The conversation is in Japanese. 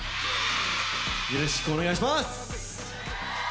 よろしくお願いします。